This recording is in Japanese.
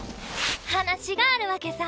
話があるわけさ？